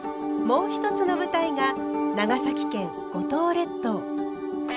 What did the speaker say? もう一つの舞台が長崎県五島列島。